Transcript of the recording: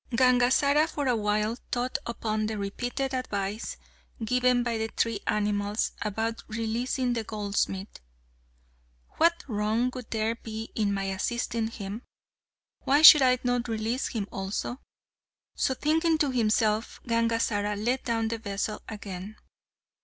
Gangazara for a while thought upon the repeated advice given by the three animals about releasing the goldsmith: "What wrong would there be in my assisting him? Why should I not release him also?" So thinking to himself, Gangazara let down the vessel again.